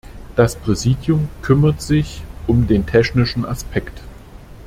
Das Präsidium kümmert sich um den technischen Aspekt.